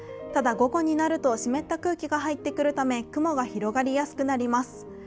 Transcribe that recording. ただ、午後になると湿った空気が入ってくるため雲が広がりやすくなります。